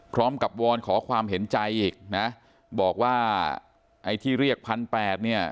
พร้อมกับวอนขอความเห็นใจอีกนะบอกว่าที่เรียกพันแปดเนี่ย